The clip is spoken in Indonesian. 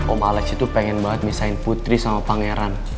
om alaic itu pengen banget misahin putri sama pangeran